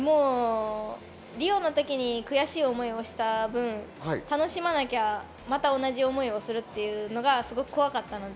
リオのときに悔しい思いをした分、楽しまなきゃまた同じ思いをするっていうのがすごく怖かったので、